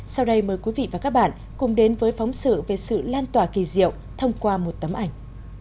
sau đây mời quý vị và các bạn cùng đến với phóng sự về sự lan tỏa kỳ diệu thông qua một tấm ảnh